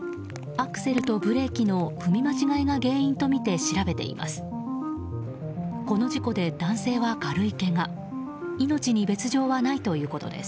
アクセルとブレーキの踏み間違えが原因とみて調べています。